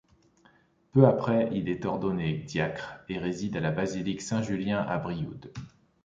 Peu après, il est ordonné diacre et réside à la basilique Saint-Julien, à Brioude.